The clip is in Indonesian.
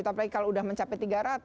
tapi kalau sudah mencapai tiga ratus